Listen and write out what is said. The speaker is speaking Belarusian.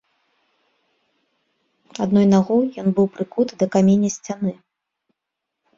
Адной нагой ён быў прыкуты да каменя сцяны.